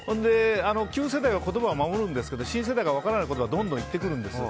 旧世代は言葉を守るんですけど新世代が分からないことをどんどん言ってくるんですよ。